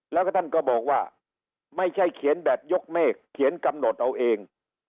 แล้วก็ท่านก็บอกว่าไม่ใช่เขียนแบบยกเมฆเขียนกำหนดเอาเอง